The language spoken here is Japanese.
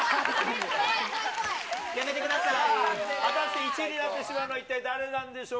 やめてください。